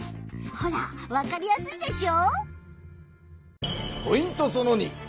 ほらわかりやすいでしょ？